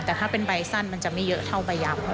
แต่ถ้าเป็นใบสั้นมันจะไม่เยอะเท่าใบยับ